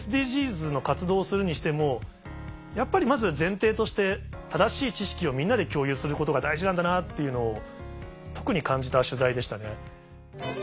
ＳＤＧｓの活動をするにしてもやっぱりまず前提として正しい知識をみんなで共有することが大事なんだなっていうのを特に感じた取材でしたね。